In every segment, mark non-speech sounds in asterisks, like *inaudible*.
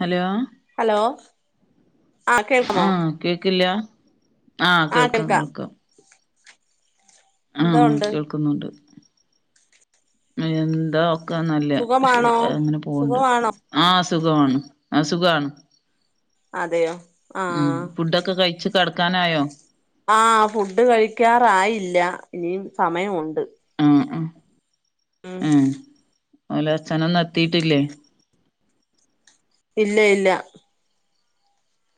Hello hello ആ കേൾക്കുമോ? കേൾക്കില്ല ആ കേൾക്ക്ണ്ട് കേൾക്കാം കേൾക്ക്ണ്ട് ആ എന്തോ ഉണ്ട് കേൾക്കുന്നുണ്ട്. എന്താ *unintelligible* നല്ല പക്ഷെ സുഖമാണോ അങ്ങനെ പോവ്ണ്ട് സുഖമാണോ ആ സുഖമാണ് സുഖാണ് അതെയോ ആ ഉം ഫുഡ് ഒക്കെ കഴിച്ച് കെടക്കാനായോ? ആ ഫുഡ് കഴിക്കാറായില്ല ഇനിയും സമയംമുണ്ട്. *unintelligible* ഏ ഓല അച്ഛനെന്നും എത്തിയിട്ടില്ലോ? ഇല്ല ഇല്ല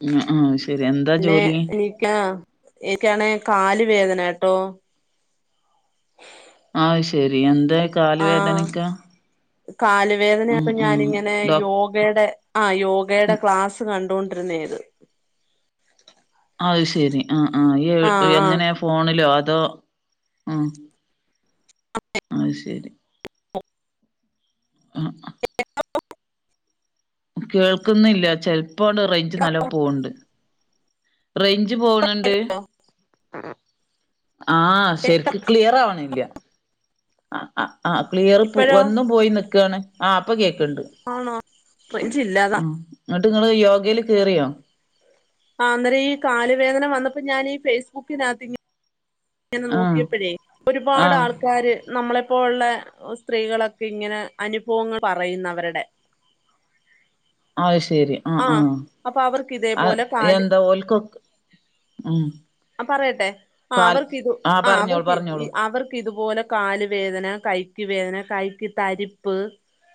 ആ ആഹ് ശരി എന്താ പിന്നെ ജോലി *unintelligible* എനിക്കാണെ കാല് വേദന കേട്ടോ ആഹ് ശരി എന്തോ കാല് വേദനക്കെ കാൽ വേദന ആയപ്പോൾ ഞാൻ ഇങ്ങനെ ഡോ യോഗ ഗേടെ ആ യോഗേടെ ക്ലാസ്സ് കണ്ടോണ്ടിരുന്നായിരുന്നു അത് ശരി ആ ആ ഈ എങ്ങനെ ഫോണിലോ അതോ ഉ അത് ശരി ആ ഹ് കേൾക്കുന്നില്ല ചെിലപ്പോടെ റേഞ്ച് ആ നല്ല പോകുന്നുണ്ട് റേഞ്ച് പോകുന്നുണ്ട്. ആശരിക്കും ക്ലിയർ ആവണില്ല ആ ആ ക്ലിയർ ഇപ്പഴോ വന്നും പോയി നക്കുവയാണ് ആ ഇപ്പം കേൾക്കുന്നുണ്ട്. ആണോ. റേഞ്ചി ഇല്ലാ അതാ എന്നിട്ട് നിങ്ങൾള് യോഗയിൽ കയറിയോ ആ അന്നേരം ഈ കാല വേദന വന്നപ്പോൾ ഞാൻ ഫേസ്ബുക്ക് നിന്ന് ഇങ്ങനെ ആഹ് നോക്കിയപ്പോഴേ ഒരുപാട് ആഹ് ആൾക്കാാര് നമ്മളെപ്പോലുള്ള സ്ത്രീകൾ ഇങന് അനുഭവങ്ങൾ പറയുനവരുടൊ അത് ശെരി ആ അപ്പോൾ അവർക്ക് ഇതേപോലെ കാല് എന്താ ഓൽക്കൊക്കെ ഉം ആ പറയട്ടെ ആ കാൽ അവർക്ക് ഇത് ആഹ് ആ പറഞ്ഞോളൂ അവർക്ക് പറഞ്ഞോളൂ അവർക്ക് ഇതുപോലെ കാാലുവേദന കൈക്ക് വേദന കൈക്ക് തരിപ് ഉപ്പ്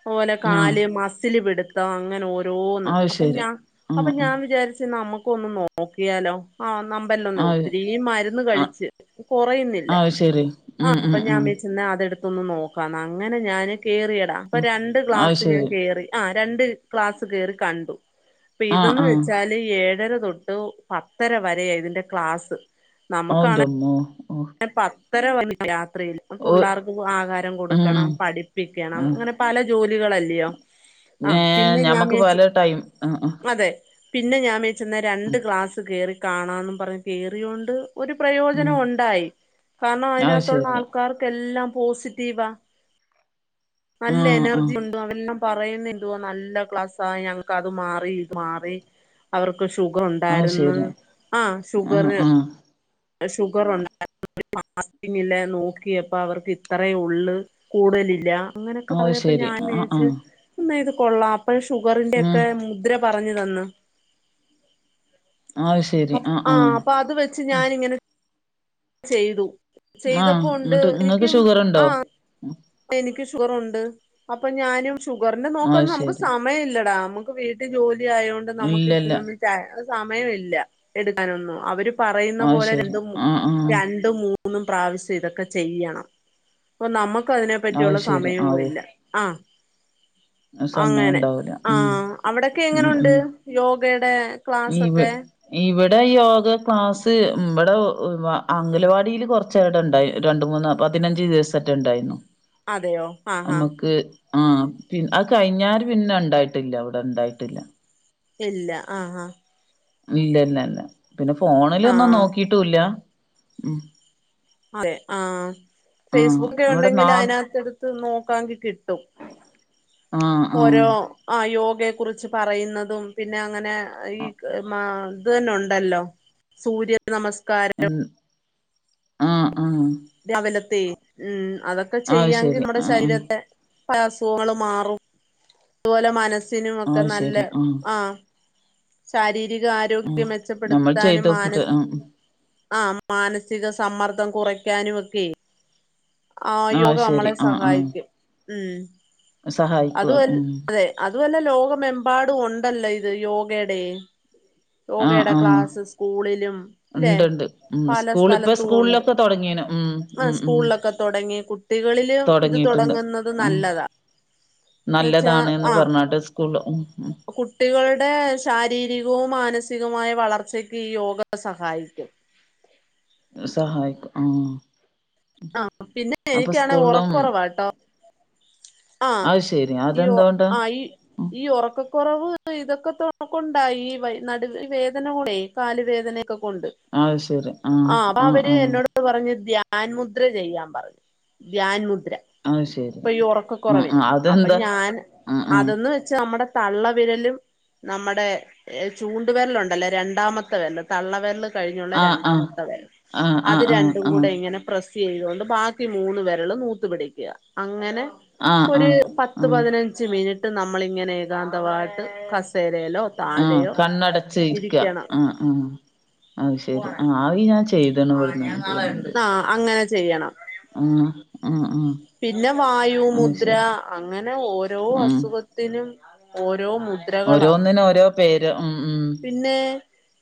അതുപോലെ ആഹ് കാല് മസില് പിടുത്തം അങ്ങനെ ഓരോന്ന് അത് അപ്പം ശരി ഞാൻ അപ്പം ആഹ് ഞാൻ വിചാരിച്ചു നമ്മുക്ക് ഒന്ന് നോക്കിയാലോ ആഹ് നമ്പല്ലാം ഒന്നെ ആഹ് അത് ഒത്തിരി മരുന്ന് കഴിച്ചച്ച് കൊറയുന്നില്ല ആഹ് അത് ശരി ആ ഉം ഉം അപ്പംഞാന്‍ ഉം വിജയിച്ച് അതെടുത്ത് ഞാന് കേറിടാം അപ്പൊ രണ്ട് അത് ഗ്ലാസ് ഞാൻ ശരി കേറി ഇന്ന് നോക്കാവുന്ന അങ്ങനെ ഞാൻ രണ്ട് ഗ്ലാസ് ഒന്ന് കേ കയറിയതാ ആ രണ്ട് ക്ലാസ്സ് കയറി കണ്ടു ഇപ്പൊ ആഹ് ഇതന്ന് ആഹ് വെച്ചാല് ഏഴര തൊട്ട് പത്തര വരെ ഇതിൻറെ ക്ലാസ് ആഔത്മ മോഓ പത്തരവരെരാത്രി ആഹാരം കൊടുക്കണം ഉം പഠിപ്പിക്കണം ഉം അങ്ങനെ പല ജോലികളല്ലയോ ആ ഏ പിന്നെ ഞമ്മക്ക് ഞാൻവിച്ച് പല ടൈം ആ ആ അതെ പിന്നെ ഞാൻ വേച്ച് രണ്ട് ഉം ഗ്ലാസ് കറി കാണാംന്ന് പറഞ്ഞു കയിറൊണ്ട് ഒരു പ്രയോജനം ഉം. ഉണ്ടായി കാരണം അത് അതിനകത്തുള്ള ശരി ആൾക്കാർക്ക്ല്ലാം പോസിറ്റ റ്റീവ് ആ നല്ല ആ എനർജി ഉണ്ട് അവെല്ലാം പറയുന്നുണ്ട് നല്ല ക്ലാസ്സ ഞങ്ങക്ക്ത് മാറി മാറി അവർക്ക് ഷുഗർ അത് ഉണ്ടായിരുന്നു ശരി ആ ആ ഷുഗർ ആ ഷുഗർണ്ടയിയുനു മാങ്ങില നോക്കിയപ്പോ അവർക്ക് ഇത്ര ഉള്ള് കൂടുതലില്ല അങ്ങനൊക്കെ അത് പറഞ്ഞപ്പോ ശരി ഞാൻ ആ ആ ചച്ച് ഇ ഇത് കൊള്ളാം അപ്പൊ ഷുഗറിന്റെ ഉം ഒക്കെ മുദ്ര പറഞ്ഞു തന്ന് ആഹ് ആ് അപ്പൊ അത് വെച്ച് ഞാനി ഇങ്ങനെ ചെയ്തു ആ ചെയ്തപ്പോ ഉണ്ട് ഇങ്ങട്ട് ഇങ്ങക്ക് എനിക്കും ഷുഗറുണ്ടോ ആ എനിക്ക് ഷുഗറുണ്ട് അപ്പൊ ഞാനും ഷുഗറിന്റെ നോക്ക അത് നമുക്ക് ശരി സമയമല്ലടാ നമുക്ക് വീട്ടിൽ ജോലി ആയതുകൊണ്ട് നമുക്ക് ഇല്ലല്ല ഇതിന സമയമില്ല എടുക്കാനൊന്നും അവര് പറയുന്ന അത് പോലെ ശരി രണ്ട ആ ആ രണ്ടും മൂന്നും പ്രാവശ്യം ഇതൊക്കെ ചെയ്യണം അപ്പൊ നമുക്ക് അതിനെ അത് പറ്റിയുള്ള ശരി സമയവും ആവൂ ഇല്ല ആ സമയം അങ്ങനെ ഉണ്ടാവൂല ഉം ആഹ അവിടെൊക്കെ എങ്ങനെുണ്ട് യോഗയുടെ ഇ ക്ലാസ്സൊക്കെ ഇവിടെ യോഗ ക്ലാസ് ഇവിടെ അംഗലവാടിൽ കുറച്ച് ചട ഉണ്ടായി രണ്ട മൂന്ന പതിനഞ്ച് ദിവസട്ട ഉണ്ടായിരുന്നു അതെയോ ആഹാ നമക്ക് ആ പി ആ കഴിഞ്ഞാർ പിന്നെ ഉണ്ടായിട്ടില്ല അവിടെ ഉണ്ടായിട്ടില്ല ഇല്ല ആഹ് ആഹ് ഇല്ലല്ലല്ല പിന്നെ ഫോണിലൊന്നും ആഹ് നോക്കിട്ടല്ല ഉ അതെ ആഹ് ഫേസ്ബുക്കിൽ ഇവിടെ നാ കേറുന്നുണ്ടങ്കിൽ അതിനക്കാതെടുത്ത് നോക്കാങ്കിൽ കിട്ടും ആ ആ ഓരോ ആഹ് യോഗയെ കുറിച്ച് പറയുന്നതും പിന്നെ അങ്ങനെ ഈ മ ഇത് തന്നെ ഉണ്ടല്ലോ സൂര്യ നമസ്കാരം ഉം ആഹ് ആഹ് രാവിലത്തെ ഉം അതൊക്കെ അത് ചെയ്യാമെങ്കിൽ ശരി നമ്മുടെ ആ ആ ശരീരത്തെ പല അസുഖങ്ങൾ മാറും അതുപോലെ മനസ്സിനും ഒക്കെ അത് നല്ല ശരി ആ ആഹ് ശാരീരിക ആ ആരോഖ്യം ഞമ്മൾ മെച്ചപ്പെടുത്താനും ചെയ്തോക്കിട്ട് മനസ് ആ ആഹ് മാനസിക സമ്മർദ്ദം കുറയ്ക്കാനുമൊക്കെ ആ യോഗ അത് ശരി നമ്മളെ ആ ആ സഹായിക്കും ഉം സഹായിക്കൂ അത് ഒരു ഉം തെ അതുമല്ല ലോകമെമ്പാടും ഉണ്ടല്ലോ ഇത് യോഗടെ ഉ ആഹ് ആഹ് സ്കൂളിലും ല്ലെ ഉണ്ട്ണ്ട് ഉം പല സ്കൂള് ഇപ്പൊ സ്കൂളിലൊക്കെ തുടങ്ങിണ് ഉം ആഹ് ഉം ഉം സ്കൂളിലൊക്കെ തൊടങ്ങി കുട്ടികളിലും ഇത് തുടങ്ങിയിട്ടുണ്ട് തുടങ്ങുന്നത് നല്ലതാ എന്ന് വെച്ചാ നല്ലതാണ് ആ പറഞ്ഞാട്ട് സ്കൂൾ ഉം ഉം കുട്ടികളുടെ ശാരീരികവും മാനസികവുമായ വളർച്ചക്ക് യോഗ സഹായിക്കും സഹായിക്കും ആഹ് ആഹ് പിന്നെ അപ്പൊ എനിക്കാണേ സ്കൂളിലും ഉറക്കുറവട്ടോ ആഹ് അത് ശരി യോ അതെന്തോണ്ടാ ആയി ഈ ഉറക്കക്കുറവ് ഇതൊക്കെ കൊണ്ടായി ഈ വ നടു വേ വേദന കൂടെ കാലുവേദനയൊക്കെ കൊണ്ട് ആയിശേരി ആഹ് ആഹ് ആഹ് ഇത് പറഞ്ഞ് ധ്യാൻമുദ്ര ചെയ്യാൻ പറഞ്ഞ് ധ്യാൻമുദ്ര ആയുശേരി ഇപ്പൊ ഈ ഉറക്കകുറവേ അപ്പൊ ഞാന് ആഹ് അതൊന്നുവെച്ച നമ്മുടെ തള്ളവിരലും നമ്മടെ ചൂടുവരലുണ്ടല്ലോ രണ്ടാമത്തെ വെള്ള് തള്ളവരല് കഴിഞ്ഞുള്ള ആഹ് ആഹ് രണ്ടാമത്തെതെ ആഹ് അത് ആഹ് ആഹ് രണ്ടും ആഹ് കൂടെ ഇങ്ങനെ പ്രസ് ചെയ്തോണ്ട് ബാക്കി മൂന്ന് വെരളും നൂത്തു പിടിക്യാ അങ്ങനെ ആഹ് ആഹ് ഒര് ആഹ് പത്ത് ആഹ് പതിനഞ്ച് മിനിറ്റ് നമ്മളിങ്ങനെ ഏകാന്തമായിട്ട് കസേരയിലോ ആഹ് താഴെയോ കണ്ണടച്ച് ഇരിക്ക ഇരിക്കണം ആഹ് ആ അത് ശെരി ആ പോവാണ് അത് ഞാന് ചെ ചെയ്തൊന്നു ആ ഞാൻ ഇവിടെന്ന് നാളെ ഉണ്ട് തോന്നുന്നുണ്ട് ആ അങ്ങനെ ചെയ്യണം ആ ആഹ് ആഹ് പിന്നെ വായു അത് മുദ്ര ശരി അങ്ങനെ ഓരോ ഉം അസുഖത്തിനും ഓരോ മു ഓരോന്നിനും ഓരോ പേര് ഉം ഉം പിന്നെ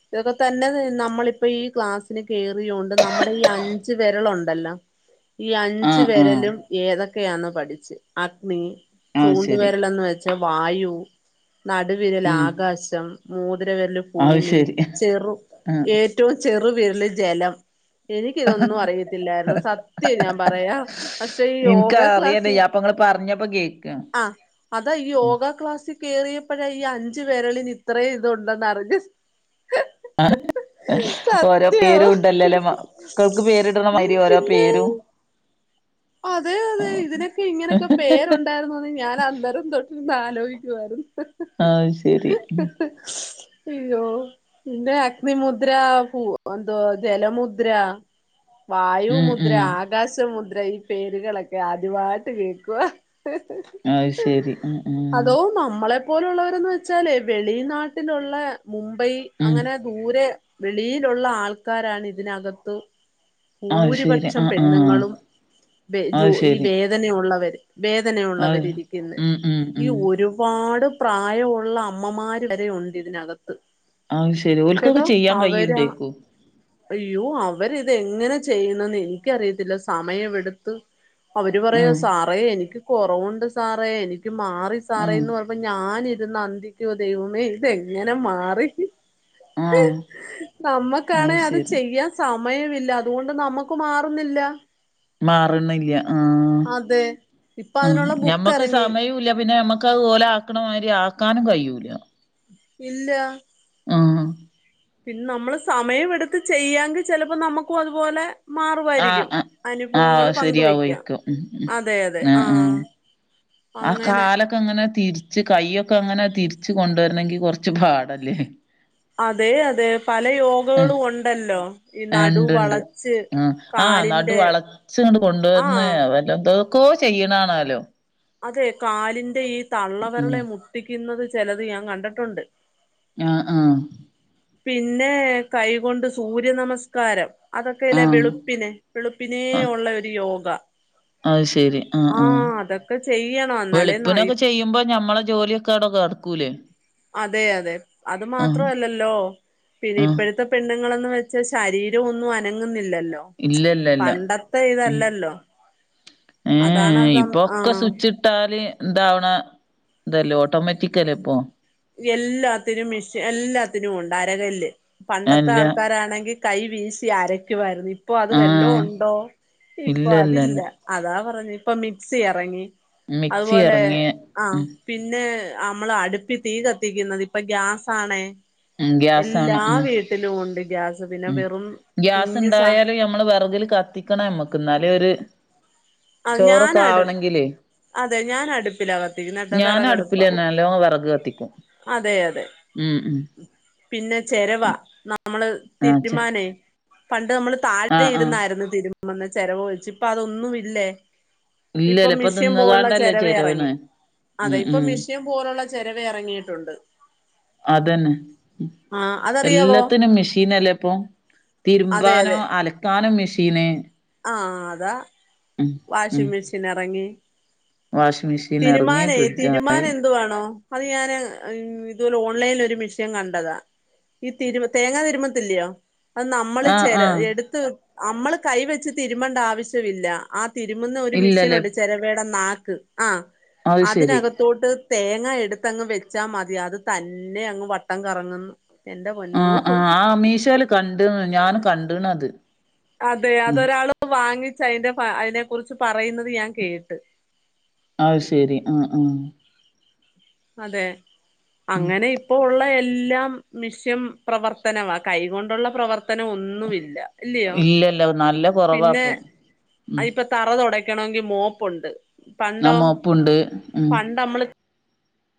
ഇതൊക്കെതെന്നെ നമ്മളിപ്പോ ഈ ക്ലാസ്സ് ന് കേറിയൊണ്ട് നമ്മുടെ ഈ അഞ്ച് വിരലുണ്ടല്ലോ ഈ അഞ്ച് ആഹ് ആഹ് വിരലും ഏതൊക്കെയാന്ന് പഠിച്ച് അഗ്നി അത് ശരി ചൂണ്ടുവിരലെന്ന് വെച്ചാ വായു. നടുവിരൽ ഉം ആകാശം മോതിരവിരൽ അത് ഭൂമി ശരി ചെറു ആഹ് ഏറ്റ ഏറ്റവും ചെറുവിരല് ജലം. എനിക്കിതൊന്നും അറിയത്തില്ലായിരുന്നു സത്യം ഞാൻ പറയാം പഷ് ഇൻക്ക് അറിയത് അപ്പോ ങഇങ്ങള് പറഞ്ഞപ്പോ കേക്കാണ് ആഹ് അതാ ഈ യോഗ ക്ലാസിൽ കേറിയപോയല്ലേ ഈ അഞ്ചു വിരലിന് ഇത്രയും ഇതുണ്ടെന്ന് അറിഞ്ഞത്. സ ആഹ് ഓരോ സത്യം പേര് ഉണ്ടല്ലല്ലെ മ മക്കൾക്ക് പേരുട്ണാ ഉം മാരി ഓരോ പിന്നെ പേരും. അതെ അതെ ഇതിനൊക്കെ ഇങ്ങനൊക്കെ പേരുണ്ടായിരുന്നുന്ന് ഞാൻ അന്നേരം തൊട്ടന്ന് അലോയിക്കായിരുന്നു ആയിശേരി സ് ഇയോ പിന്നെ അഗ്നിമുദ്ര പു എന്തോ ജലമുദ്ര. ഉം വായുമുദ്ര ഉം ആകാശമുദ്ര ഈ പേരുകളൊക്കെ ആദ്യവായിട്ട് കേൾക്കുവാ. ഹ് ഹ് ഹ്. അത്ശരി ഉം ഉം നമ്മളെ പോലുള്ളവരന്ന് വെച്ചാലെ വെളി നാട്ടിലുള്ള മുംബൈ ഉം അങ്ങനെ ദൂരെ വെളിയിലുള്ള ആൾക്കാരാണ് ഇതിനകത്ത് അത് ശരി ഭൂരിപക്ഷം ആഹ് ആഹ് പെണ്ണുങ്ങളും ജോ അത് ഈ ശരി വേദനയുള്ളവര് വേദനയ അത് ഉുള്ളവരിരിക്കുന്നേ ഉം ഉം ഈ ഉം ഒരു പാട് പ്രായമുള്ള അമ്മമാര് വരെഉണ്ട് ഇതിനകത്ത് അയിശരി ഓൽക്കൊക്കെ കേട്ടോ ചെയ്യാൻ അവരാ കയ്യുണ്ടേരിക്കും അയ്യോ അവരിതെങ്ങനെ ചെയ്യുന്നന്ന് എനിക്കറിയത്തില്ല സമയമെടുത്ത് അവര് പറയാ ഉം സാറേ എനിക്ക് കൊറവുണ്ട് സാറേ എനിക്ക് എനിക്ക് മാറി ഉം സാറേന്ന് പറയുമ്പോ ഞാനിരുന്ന അന്തിക്കാ ദൈവമേ ഇതെങ്ങനെ മാറി ആഹ് നമ്മക്കാണെ അത് ചെയ്യാം സമയമില്ല അതുകൊണ്ട് നമുക്ക് മാറുന്നില്ല മാറണില്ല ആഹ് അതെ ഇപ്പൊ ഉം അതിനുള്ള ബുക്ക് ഞമ്മക്ക് എറങ്ങി സമയില്ല പിന്നെമ്മക്ക് ക്ക് അതുപോലെ ആക്കണമാതിരി ആക്കാനും കഴിയൂല ഇല്ലാ ആഹ് പിന്നെ നമ്മള് സമയമെടുത്ത് ചെയ്യാങ്കി ചിലപ്പോ നമ്മുക്കും അതുപോലെ ആഹ് മാറുവായിരിക്കും ആഹ് അനുഭവങ്ങൾ ആഹ് പങ്ക് വെക്കാം ശരിയാവോയ്ക്കും ഉം ഉം അതെ അതെ ആഹ് അങ്ങനെ കാലൊക്കെങ്ങനെ തിരിച്ച് കയ്യൊക്കെങ്ങനെ തിരിച്ച് കൊണ്ടുവരണങ്കി കുറച്ച് പാടല്ലേ അതെ അതെ പല ഉം യോഗകളും ഉണ്ടല്ലോ ഈ ആഹ് നടു ഉണ്ട് ഇണ്ട് വളച്ച് ആഹ് ആ നടു കാലിന്റെ വളച്ച് ഇങ്ങ്ട്ട് കൊണ്ടുവന്നെ ആഹ് എന്തൊക്കോ ചെയ്യണാണാലോ അതെ കാലിന്റെ ഈ തള്ളവെരളെ ഉം മുട്ടിക്കുന്നത് ചിലത് ഞാൻ കണ്ടിട്ടുണ്ട്. ആഹ് ആഹ് പിന്നെ കൈകൊണ്ട് സൂര്യ നമസ്കാരം അതൊക്കെ ഇല്ലേ ആഹ് വെളുപ്പിനെ വെളുപ്പിനേ ആഹ് ഒള്ള ഒരു യോഗ അത് ശെരി ആഹ് ആഹ് അതൊക്കെ ചെയ്യണം എന്നാലേ നയി വെളുപ്പിനൊക്കെ ചെയ്യുമ്പോ ഞമ്മളെ ജോലിയെ ക്കവിടെ കേടക്കുല്ലേ അതെ അതെ അത് മാത്രല്ലല്ലോ പിന്നെ ആഹ് ഇപ്പോഴത്തെ പെണ്ണുങ്ങളെന്ന് വെച്ചാൽ ശരീരം ഒന്നും അനങ്ങുന്നില്ലല്ലോ ഇല്ലല്ല ല്ല പണ്ടത്തെ ഉം ഇതല്ലല്ലോ അതാണ് ഏഹ് ആ ഇപ്പൊക്കെ ആഹ് സ്വിച്ച് ട്ടാല് എന്താവണ ഇതല്ലെ ഓട്ടോമാറ്റിക്ക അല്ലേ ഇപ്പൊ എല്ലാത്തിനും മിഷ എല്ലാത്തിനും ഉണ്ട് അരകല്ല് പണ്ടത്തെ അല്ല ആൾക്കാരാണെങ്കി കൈ വീസി അരക്കുവാരുന്നു ഇപ്പൊ അത് വെല്ലോ ആഹ് ഉണ്ടോ ഇപ്പൊ ഇല്ല ഇല്ല അതില്ല ഇല്ല അതാ പറഞ്ഞേ ഇപ്പൊ മിക്സി ഇറങ്ങി മിക്സി അതുപോലെ എറങ്ങിയ ആഹ് ഉം പിന്നെ നമ്മള് അടുപ്പി തീ കത്തിക്കുന്നത് ഇപ്പൊ ഗ്യാസാണേ ഉം ഗ്യാസാണ് എല്ലാ ഉം വീട്ടിലും ഉണ്ട് ഗ്യാസ് പിന്നെ വെറും കുഞ്ഞ് സ നമ്മള് വിറകിൽ കത്തിക്കണം നമ്മക്ക് എന്നല് ഒരു ആഹ് ചോറൊക്കെ ഞാനടു ആവണെങ്കിലെ അതെ ഞാൻ അടുപ്പിലാ കത്തിക്കുന്ന കേട്ടാ വിറകടുപ്പാ അടുപ്പിലെന്നെ നല്ലോം വെറക് കത്തിക്കും അതെ അതെ ഉം ഉം പിന്നെ ചെരവ നമ്മള് ആ ച്ചെ തിരുമാനേ പണ്ട് നമ്മൾ താഴെ ആഹ് ആഹ് ഇരുന്നായിരുന്നു തിരുമന്ന് ചെരവ് വഴിച്ചച്ച് ഇപ്പ അതൊന്നുമില്ലേ ഇപ്പൊ ഇല്ലല്ല മിഷ്യൻ പോലുള്ള നിന്ന്കാണ്ടല്ലേ ചിരവ ഇറങ്ങി ചെരവ്ണ് അതെ ഉം ഇപ്പൊ ഉം മിഷ്യൻ പോലുള്ള ചിരവ ഇറങ്ങിയിട്ടുണ്ട് അതന്നെ ആഹ് അതറിയാവോ എല്ലാത്തിനും മെഷീൻ അല്ലേ ഇപ്പൊ അതെ തിരുമ്പാനോ അതെ അലക്കാനോ മെഷീന് ആഹ് അതാ ഉം ഉം വാഷിങ് മെഷീൻ ഇറങ്ങി വാഷിംഗ് മെഷീൻ എറങ്ങി തിരുമാനേ ഫ്രിഡ്ജായി തിരുമാനെന്തുവാേണോ അത് ഞാന് ഇതുപോലെ ഓൺലൈനൽ ഒരു മിഷ്യൻ കണ്ടതാ ഈ തിരുമ തേങ്ങാ തിരുമ്പത്തില്ലയോ അത് നമ്മള് ആഹ് ചെര ആഹ് എടുത്ത് നമ്മള് കൈ വെച്ച് തിരുമണ്ട ആവശ്യമില്ല ആ തിരുമുന്ന ഒരു ഇല്ലല്ലേ മിഷീൻുണ്ട് ചിരവേയുടെ നാക്ക് ആ അത് ശെരി അതിനകത്തോട്ട് തേങ്ങ എടുത്ത്ങ്ങ് വെച്ചാൽ മതി അത് തന്നെ അങ്ങ് വട്ടം കറങ്ങുന്നു എന്റെ പൊന്നോ ആഹ് ആഹ് ആ മീഷോൽ കണ്ട് ഞാന് കണ്ട്ണത് അതെ ഉം അതൊരാള് വാങ്ങിച്ച് അതിന്റെ ഫ അതിനെ കുുറിച്ച് പറയുന്നത് ഞാൻ കേട്ട് അത് ശരി ആഹ് ആഹ് അതെ ഉം അങ്ങനെ ഇപ്പൊ ഉള്ള എല്ലാം മിഷ്യം പ്രവർത്തനമാ കൈകൊണ്ടുള്ള പ്രവർത്തനം ഒന്നുമില്ല ഇല്ലയോ ഇല്ലല്ല നല്ല പിന്നെ കൊറവാപ്പം അ ഉം ഇപ്പൊ തറ തുടക്കണമെങ്കിൽ മോപ്പുണ്ട് ആ പണ്ടോ മോപ്പുണ്ട് ഉം പണ്ട് അമ്മള്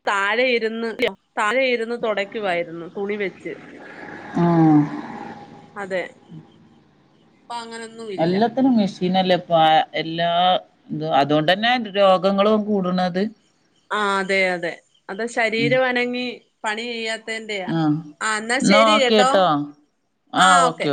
താഴെയിരുന്ന് താഴയിരുന്ന് തുൊടയ്ക്കുവായിരുന്നു തുണി വെച്ച് ആഹ് അതെ പ്പ അങ്ങനൊ എല്ലാത്തിനും മി പിന്നല്ലേ ഇപ്പൊ എല്ലാ എന്തുവാ അതുകൊണ്ടന്നെ രോഗങ്ങളും കൂടണത് ആഹ് അതെ അതെ അത ഉം ശരീരം അനങ്ങി പണി ചെയ്യാ തേന്റെയാ ആഹ് ആ എന്നാൽ എന്നാ ശരി ഓക്കെ കേട്ടോ ട്ടോ ആ ഓക്കെ